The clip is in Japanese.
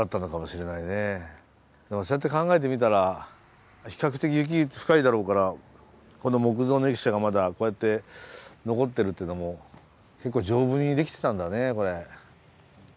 でもそうやって考えてみたら比較的雪深いだろうからこの木造の駅舎がまだこうやって残ってるっていうのも結構丈夫にできてたんだねこれ。